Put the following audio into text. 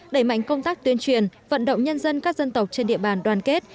đẩy mạnh công tác tuyên truyền vận động nhân dân các dân tộc trên địa bàn đoàn kết